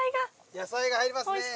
野菜が入りますね。